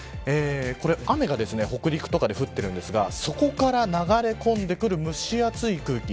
雨が北陸とかで降っているんですがそこから流れ込んでくる蒸し暑い空気